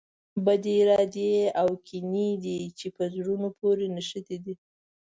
بدې ارادې او کینې دي چې په زړونو پورې نښتي دي.